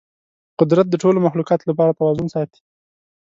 قدرت د ټولو مخلوقاتو لپاره توازن ساتي.